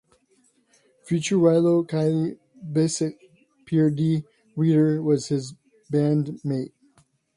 Future Rilo Kiley bassist Pierre De Reeder was his bandmate.